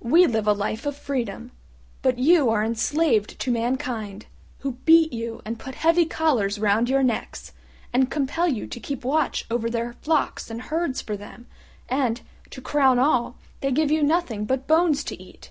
We live a life of freedom; but you are enslaved to mankind, who beat you, and put heavy collars round your necks, and compel you to keep watch over their flocks and herds for them, and, to crown all, they give you nothing but bones to eat.